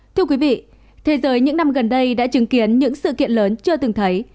thưa quý vị thế giới những năm gần đây đã chứng kiến những sự kiện lớn chưa từng thấy